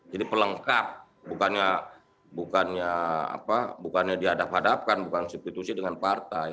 jadi pelengkap bukannya dihadap hadapkan bukan substitusi dengan partai